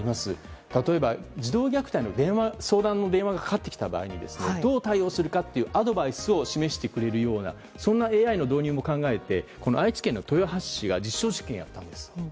例えば、児童虐待の相談の電話がかかってきた場合どう対応するかというアドバイスを示してくれるようなそんなＡＩの導入も考えて愛知県の豊橋市が実証実験を行ったんです。